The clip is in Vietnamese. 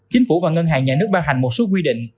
chính phủ và ngân hàng nhà nước ban hành một số quy định